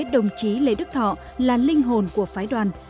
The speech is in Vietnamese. đồng chí lê đức thọ là linh hồn của phái đoàn